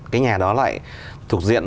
cái nhà đó lại thuộc diện